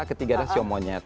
ketiga adalah sio monyet